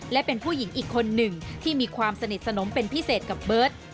และเป็นผู้หญิงอีกคนหนึ่งที่มีความสนิทสนมเป็นพิเศษกับเบิร์ต